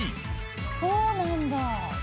そうなんだ。